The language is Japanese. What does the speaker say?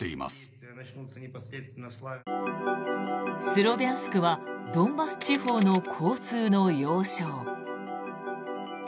スロビャンスクはドンバス地方の交通の要衝。